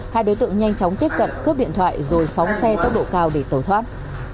hai đối tượng nhanh chóng tiếp cận cướp điện thoại rồi phóng xe tốc độ cao để tẩu thoát